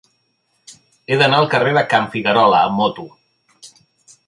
He d'anar al carrer de Can Figuerola amb moto.